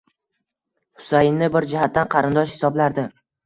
Husayinni bir jihatdan qarindosh hisoblardi.